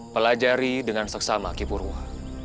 pelajari dengan seksama kipurwa